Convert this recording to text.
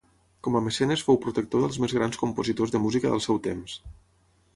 Com a mecenes fou protector dels més grans compositors de música del seu temps.